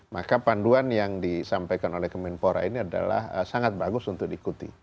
maka panduan yang disampaikan oleh kemenpora ini adalah sangat bagus untuk diikuti